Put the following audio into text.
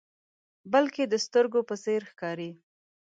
بلکې د سترګو په څیر ښکاري.